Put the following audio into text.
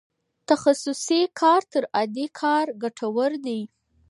تخصصي کار تر عادي کار ګټور دی.